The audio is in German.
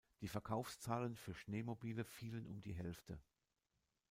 Die Verkaufszahlen für Schneemobile fielen um die Hälfte.